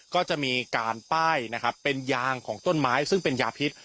ก็จะมีการป้ายนะครับเป็นยางของต้นไม้ซึ่งเป็นยาพิษ